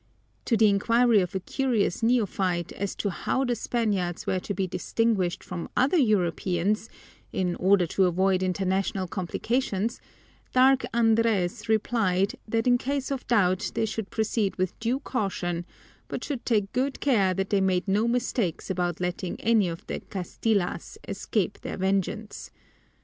To the inquiry of a curious neophyte as to how the Spaniards were to be distinguished from the other Europeans, in order to avoid international complications, dark Andres replied that in case of doubt they should proceed with due caution but should take good care that they made no mistakes about letting any of the Castilas escape their vengeance.